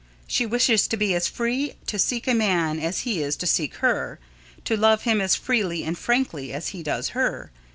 She wishes to be as free to seek a man as he is to seek her to love him as freely and frankly as he does her.